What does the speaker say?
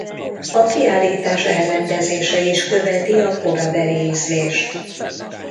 A kiállítás elrendezése is követi a korabeli ízlést.